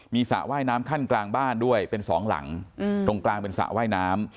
มีสระว่ายน้ำขั้นกลางบ้านด้วยเป็นสองหลังตรงกลางเป็นสระว่ายน้ำ